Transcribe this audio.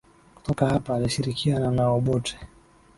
Kutoka hapa alishirikiana na Obote